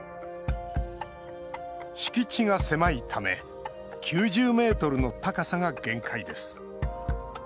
敷地が狭いため９０ｍの高さが限界です。